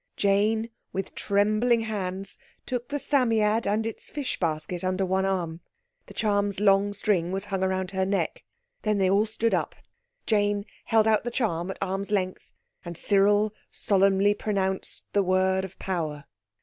Jane with trembling hands took the Psammead and its fish basket under one arm. The charm's long string was hung round her neck. Then they all stood up. Jane held out the charm at arm's length, and Cyril solemnly pronounced the word of power.